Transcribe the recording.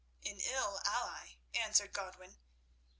"An ill ally," answered Godwin.